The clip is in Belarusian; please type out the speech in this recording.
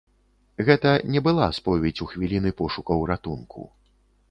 Гэта не была споведзь у хвіліны пошукаў ратунку.